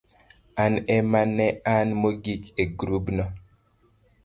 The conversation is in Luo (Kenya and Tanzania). an ema ne an mogik e grubno.